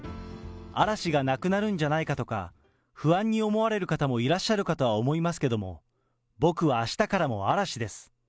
嵐がなくなるんじゃないかとか、不安に思われる方もいらっしゃるかと思いますが、僕はあしたからも嵐です。